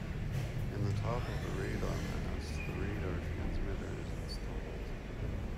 In the top of the radar mast the radar transmitter is installed.